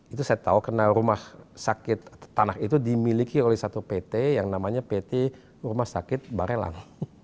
itu saya tahu karena rumah sakit tanah itu dimiliki oleh satu pt yang namanya pt rumah sakit barelang